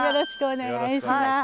よろしくお願いします。